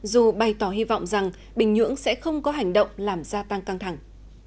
dù bày tỏ hy vọng rằng bình nhưỡng sẽ không có hành động làm gia tăng căng thẳng